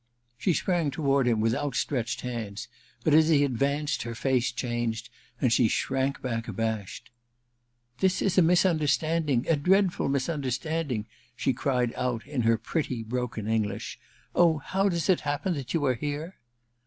She sprang toward him with outstretched hands, but as he advanced her face changed and she shrank back abashed. * This is a misunderstanding — a dreadful mis understanding,* she cried out in her pretty broken English. *Oh, how does it happen that you are here